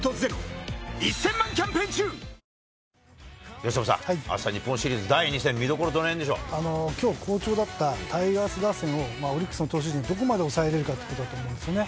由伸さん、あした日本シリーズ第２戦、きょう好調だったタイガース打線を、オリックスの投手陣がどこまで抑えれるかということだと思うんですね。